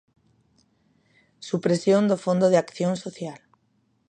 Supresión do Fondo de Acción Social.